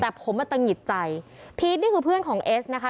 แต่ผมมาตะหงิดใจพีชนี่คือเพื่อนของเอสนะคะ